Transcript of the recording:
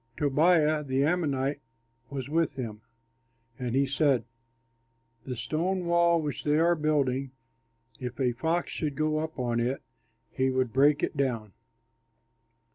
Tobiah, the Ammonite, was with him, and he said, "This stone wall which they are building if a fox should go up on it, he would break it down!"